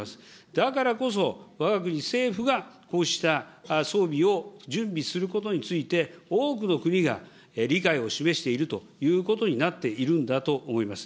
だからこそ、わが国政府がこうした装備を準備することについて、多くの国が理解を示しているということになっているんだと思います。